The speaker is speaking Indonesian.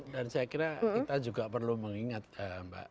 dan saya kira kita juga perlu mengingat mbak